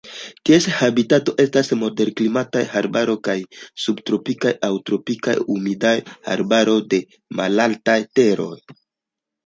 Ties habitato estas moderklimataj arbaroj kaj subtropikaj aŭ tropikaj humidaj arbaroj de malaltaj teroj.